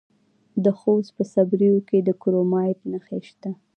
د خوست په صبریو کې د کرومایټ نښې شته.